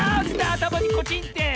あたまにコチンって。